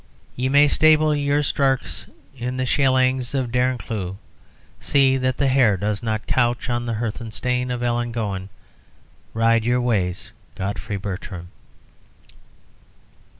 Ye may stable your stirks in the sheilings of Dern cleugh. See that the hare does not couch on the hearthstane of Ellangowan. Ride your ways, Godfrey Bertram."